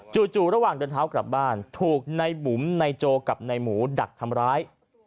ระหว่างเดินเท้ากลับบ้านถูกในบุ๋มในโจกับนายหมูดักทำร้าย